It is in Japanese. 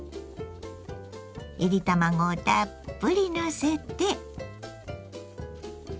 いり卵をたっぷりのせて。